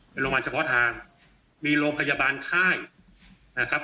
เป็นโรงพยาบาลเฉพาะทางมีโรงพยาบาลค่ายนะครับ